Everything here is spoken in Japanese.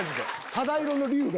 肌色の龍が。